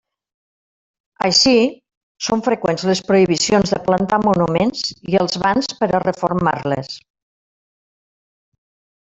Així, són freqüents les prohibicions de plantar monuments i els bans per a reformar-les.